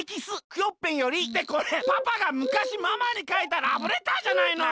クヨッペンより」ってこれパパがむかしママにかいたラブレターじゃないの。